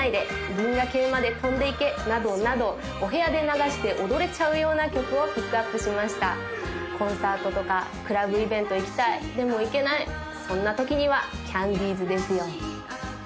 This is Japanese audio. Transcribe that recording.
「銀河系まで飛んで行け！」などなどお部屋で流して踊れちゃうような曲をピックアップしましたコンサートとかクラブイベント行きたいでも行けないそんなときにはキャンディーズですよ